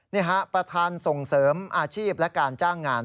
นี่ฮะประธานส่งเสริมอาชีพและการจ้างงาน